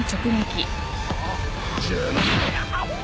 あっ。